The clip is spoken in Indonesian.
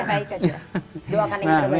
doakan yang terbaik